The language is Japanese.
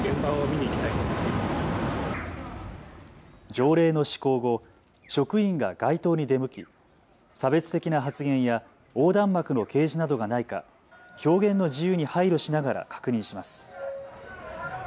条例の施行後、職員が街頭に出向き差別的な発言や横断幕の掲示などがないか表現の自由に配慮しながら確認します。